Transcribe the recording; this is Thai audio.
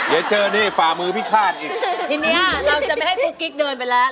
เดี๋ยวเจอนี่ฝ่ามือพี่ฆาตอีกทีนี้เราจะไม่ให้กุ๊กกิ๊กเดินไปแล้ว